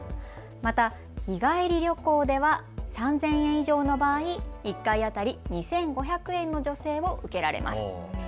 また日帰り旅行では３０００円以上の場合１回当たり２５００円の助成を受けられます。